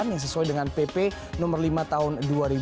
yang sesuai dengan pp nomor lima tahun dua ribu dua puluh